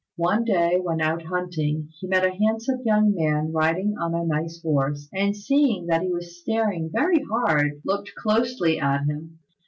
One day when out hunting he met a handsome young man riding on a nice horse, and seeing that he was staring very hard looked closely at him.